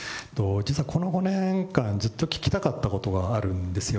実はこの５年間、ずっと聞きたかったことがあるんですよ。